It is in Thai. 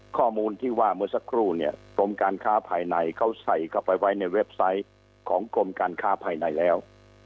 ข้อมูลที่ว่าเมื่อสักครู่เนี่ยกรมการค้าภายในเขาใส่เข้าไปไว้ในเว็บไซต์ของกรมการค้าภายในแล้ว